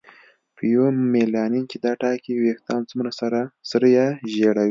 فیومیلانین چې دا ټاکي ویښتان څومره سره یا ژېړ وي.